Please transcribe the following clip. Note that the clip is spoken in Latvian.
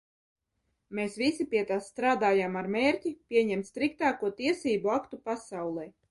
Mēs visi pie tās strādājām ar mērķi pieņemt striktāko tiesību aktu pasaulē.